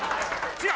違う！